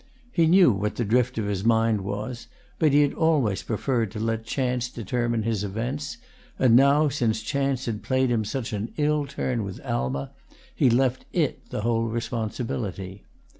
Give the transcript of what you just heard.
He knew what the drift of his mind was, but he had always preferred to let chance determine his events, and now since chance had played him such an ill turn with Alma, he left it the whole responsibility.